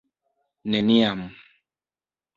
neniam